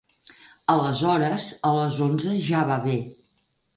Aleshores a les onze ja va bé.